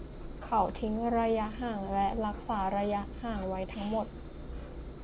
เขาทิ้งระยะห่างและรักษาระยะไว้ทั้งหมด